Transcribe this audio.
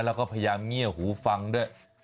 แล้วก็พยายามเงียบหูฟังด้วย